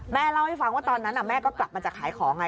เล่าให้ฟังว่าตอนนั้นแม่ก็กลับมาจากขายของไง